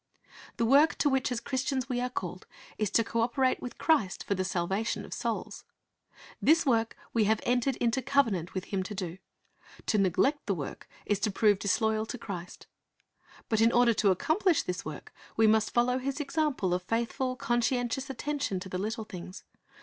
The work to which as Christians we are called is to co operate with Christ for the salvation of souls. This work we have entered into covenant with Him to do. To neglect the work is to prove disloyal to Christ. But in order to accomplish this work, we must follow His example of faithful, conscientious attention to the little things.